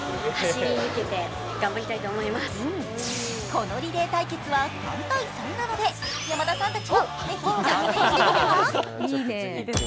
このリレー対決は３対３なので山田さんたちもぜひ挑戦してみては。